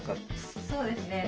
そうですね